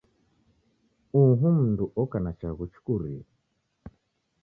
Uhu mundu oka na chaghu chikurie.